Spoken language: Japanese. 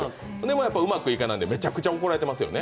うまくいかないんで、めちゃくちゃ怒られてますよね。